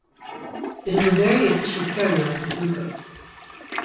It is a very efficient carrier for glucose.